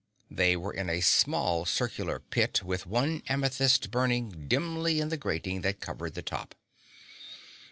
They were in a small circular pit with one amethyst burning dimly in the grating that covered the top.